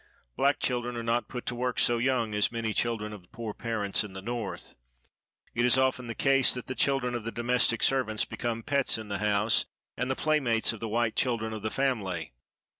Black children are not put to work so young as many children of poor parents in the North. It is often the case that the children of the domestic servants become pets in the house, and the playmates of the white children of the family.